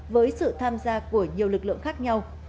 với sự tham gia của nhiều lực lượng khác nhau